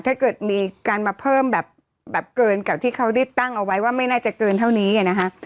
ถ้าเกิดมีการมาเพิ่มแบบเกินกับที่เขาได้ตั้งเอาไว้ว่าไม่น่าจะเกินเท่านี้นะคะ